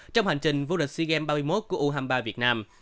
trong hành trình vô địch sea games ba mươi một của u hai mươi ba việt nam